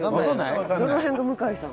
どの辺が向井さん？